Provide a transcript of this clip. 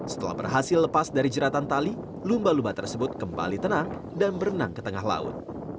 setelah berhasil lepas dari jeratan tali lumba lumba tersebut kembali tenang dan berenang ke tengah laut